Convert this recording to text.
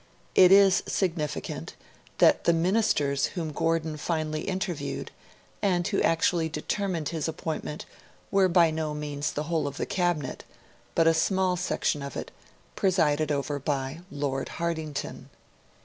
It is significant that the 'Ministers' whom Gordon finally interviewed, and who actually determined his appointment were by no means the whole of the Cabinet, but a small section of it, presided over by Lord Hartington.